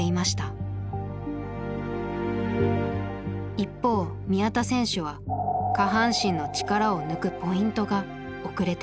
一方宮田選手は下半身の力を抜くポイントが遅れていました。